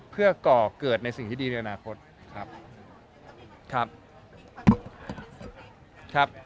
เพื่อก่อเกิดในสิ่งที่ดีในอนาคต